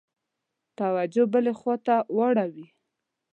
توجه بلي خواته واړوي.